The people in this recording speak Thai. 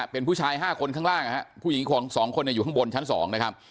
เป็นผู้ชาย๕คนข้างล่างผู้หญิง๒คนอยู่ข้างบนชั้น๒นะครับ